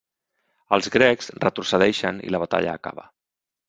Els grecs retrocedeixen i la batalla acaba.